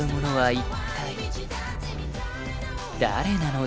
はい。